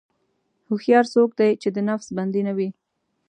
هوښیار څوک دی چې د نفس بندي نه وي.